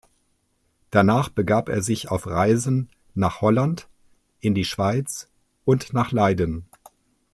Danach begab er sich auf Reisen nach Holland, in die Schweiz und nach Leiden.